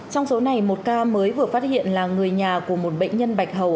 trong số này một ca mới vừa phát hiện là người nhà của một bệnh nhân bạch hầu